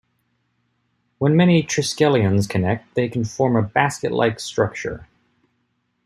When many triskelions connect, they can form a basket-like structure.